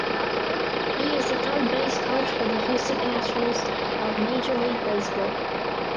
He is the third base coach for the Houston Astros of Major League Baseball.